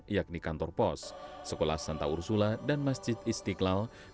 yakni kantor pos sekolah santa ursula dan masjid istiqlal